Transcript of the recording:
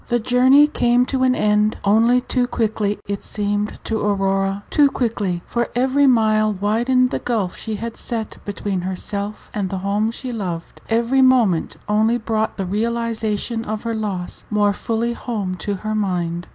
The journey came to an end, only too quickly it seemed to Aurora too quickly, for every mile widened the gulf she had set between Page 149 herself and the home she loved; every moment only brought the realization of her loss more fully home to her mind.